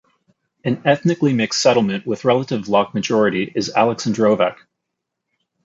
An ethnically mixed settlement with relative Vlach majority is Aleksandrovac.